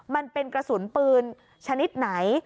มันเป็นกระสุนปืนชนิดไหน